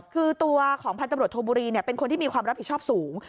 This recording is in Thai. คือตัวของพันตำรวจโทบุรีเป็นคนที่มีความรับผิดชอบสูง